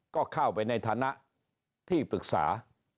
ก็เข้าไปในฐานะที่ปรึกษา